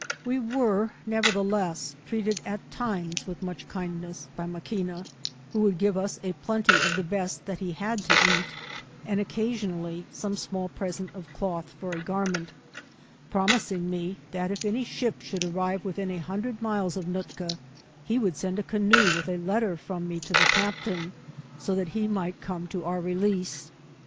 We were, nevertheless, treated at times with much kindness by Maquina, who would give us a plenty of the best that he had to eat, and occa sionally, some small present of cloth for a garment, promising me, that if any ship should arrive within 9 hundred miles of Nootka, he would send a canoe with a letter from me to the captain, so that be might come to our release.